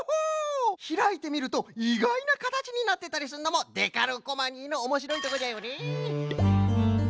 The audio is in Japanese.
ひらいてみるといがいなかたちになってたりするのもデカルコマニーのおもしろいとこじゃよね。